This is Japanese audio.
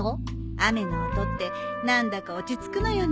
雨の音って何だか落ち着くのよね。